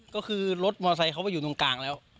ก็คือรถมอไซค์เขาไปอยู่ตรงกลางแล้ว